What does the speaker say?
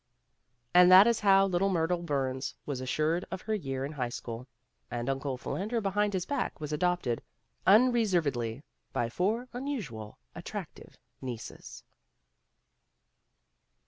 And that is how little Myrtle Burns was assured of her year in high school, and Uncle Philander Behind His Back was adopted, un reservedly, by four unusually attractive nieces.